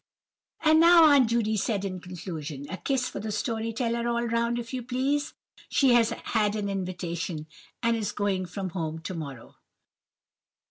"And now," said Aunt Judy in conclusion, "a kiss for the story teller all round, if you please. She has had an invitation, and is going from home to morrow."